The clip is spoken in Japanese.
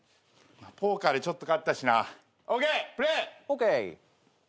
ポーカーでちょっと勝ったしなＯＫプレイ！ＯＫ。